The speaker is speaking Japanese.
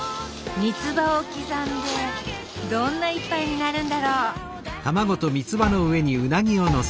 みつばを刻んでどんな一杯になるんだろうえ！